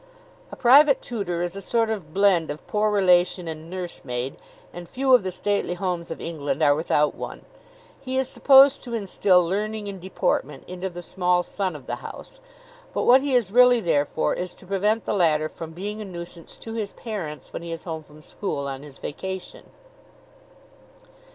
A private tutor is a sort of blend of poor relation and nursemaid, and few of the stately homes of England are without one. He is supposed to instill learning and deportment into the small son of the house; but what he is really there for is to prevent the latter from being a nuisance to his parents when he is home from school on his vacation.